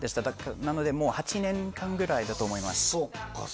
なのでもう８年間ぐらいだと思います。